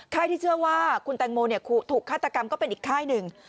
ที่เชื่อว่าคุณแตงโมถูกฆาตกรรมก็เป็นอีกค่ายหนึ่ง